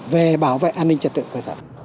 về bảo vệ an ninh trật tự cơ sở